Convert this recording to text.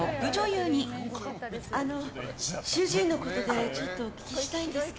あの、主人のことでちょっとお聞きしたいんですが。